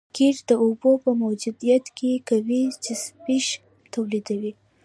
قیر د اوبو په موجودیت کې قوي چسپش تولیدوي